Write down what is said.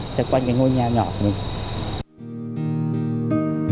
trong quanh cái ngôi nhà nhỏ của mình